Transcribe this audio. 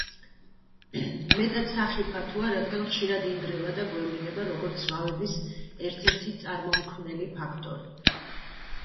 მეტად სახიფათოა, რადგან ხშირად ინგრევა და გვევლინება როგორც ზვავების ერთ-ერთი წარმომქმნელი ფაქტორი.